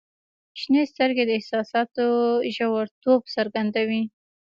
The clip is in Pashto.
• شنې سترګې د احساساتو ژوریتوب څرګندوي.